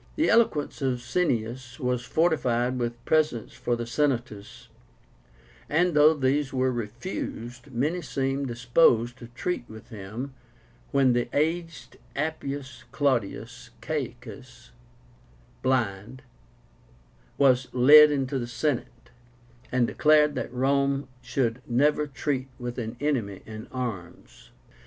The eloquence of Cineas was fortified with presents for the Senators; and though these were refused, many seemed disposed to treat with him, when the aged APPIUS CLAUDIUS CAECUS (Blind) was led into the Senate, and declared that Rome should never treat with an enemy in arms.